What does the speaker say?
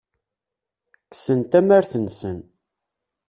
Kksen tamart-nsen.